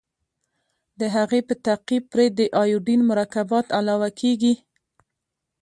د هغې په تعقیب پرې د ایوډین مرکبات علاوه کیږي.